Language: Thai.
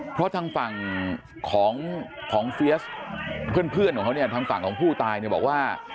เพราะทางฝั่งของเฟียสเพื่อนของเขาเนี่ยทางฝั่งของผู้ตายเนี่ยบอกว่า